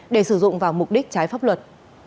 để sử dụng vào mục đích trái pháp luật